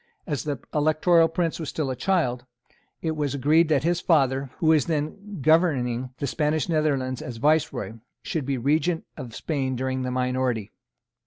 As the Electoral Prince was still a child, it was agreed that his father, who was then governing the Spanish Netherlands as Viceroy, should be Regent of Spain during the minority.